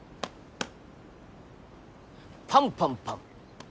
パンパンパン。